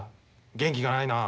元気がないな。